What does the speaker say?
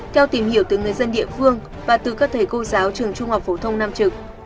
theo tìm hiểu từ người dân địa phương và từ các thầy cô giáo trường trung học phổ thông nam trực